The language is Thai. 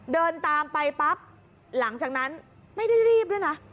เดินตามไปปั๊บหลังจากนั้นไม่ได้รีบด้วยนะ